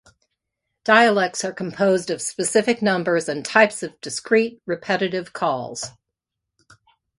Dialects are composed of specific numbers and types of discrete, repetitive calls.